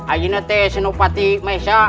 ajinat t senopati mesa